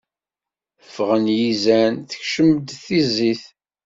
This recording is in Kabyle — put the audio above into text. Ffɣen yizan, tekcem-d tizit.